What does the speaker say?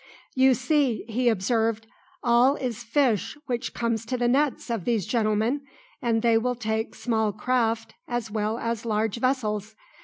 "You see," he observed, "all is fish which comes to the nets of these gentlemen, and they will take small craft as well as large vessels.